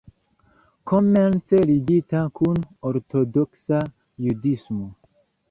Komence ligita kun Ortodoksa Judismo.